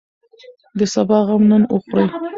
د سبا غم نن وخورئ.